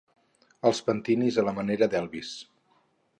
Els pentinis a la manera d'Elvis.